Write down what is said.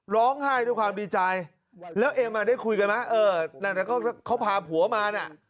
ร้องไห้ด้วยความดีใจแล้วเอ็มอ่ะได้คุยกันไหมเออนั่นแหละก็เขาพาผัวมาน่ะ